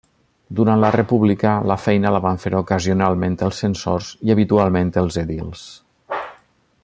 Durant la república la feina la van fer ocasionalment els censors i habitualment els edils.